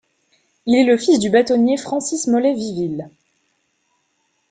Il est le fils du bâtonnier Francis Mollet-Vieville.